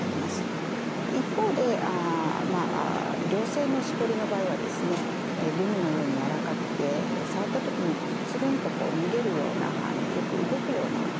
一方で良性のしこりの場合はですねグミのようにやわらかくて触った時につるんとこう逃げるようなよく動くような感じになります。